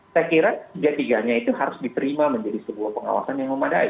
saya kira tiga tiganya itu harus diterima menjadi sebuah pengawasan yang memadai